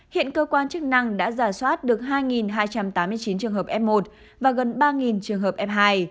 hiện cơ quan chức năng đã giả soát được hai hai trăm tám mươi chín trường hợp f một và gần ba trường hợp f hai